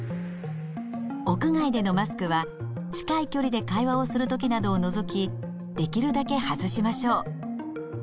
屋外でのマスクは近い距離で会話をする時などを除きできるだけ外しましょう。